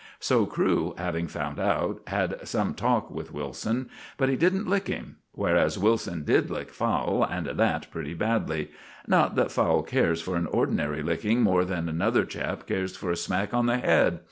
So Crewe, having found out, had some talk with Wilson. But he didn't lick him; whereas Wilson did lick Fowle, and that pretty badly. Not that Fowle cares for an ordinary licking more than another chap cares for a smack on the head.